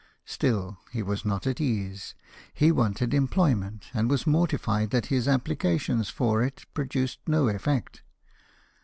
Still, he was not at ease; he wanted employment, and was mortified that his applications for it produced no effect.